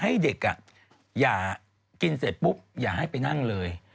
ให้เด็กอย่ากินเสร็จปุ๊บอย่าให้ไปนั่งเลย